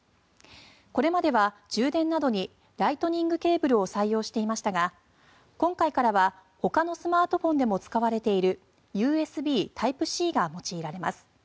これまでは充電などにライトニングケーブルを採用していましたが今回からはほかのスマートフォンでも使われているＵＳＢタイプＣが用いられます。